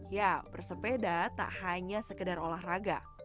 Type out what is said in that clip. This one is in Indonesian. ya bersepeda tak hanya sekedar olahraga